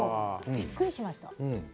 びっくりしました。